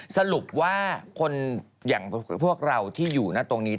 สรุปว่าคนอย่างพวกเราที่อยู่นะตรงนี้